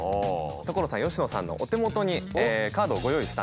所さん佳乃さんのお手元にカードをご用意したんで。